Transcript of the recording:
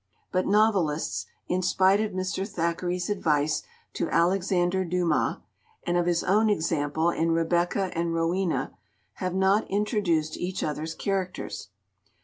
But novelists, in spite of Mr. Thackeray's advice to Alexandre Dumas, and of his own example in "Rebecca and Rowena," have not introduced each other's characters.